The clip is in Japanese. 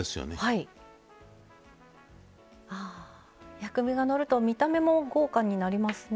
薬味がのると見た目も豪華になりますね。